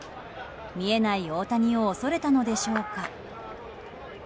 見えない大谷を恐れたのでしょうか。